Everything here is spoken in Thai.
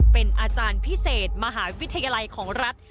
เป็นอาจารย์พิเศษมหาวิทยาลัยของรัฐ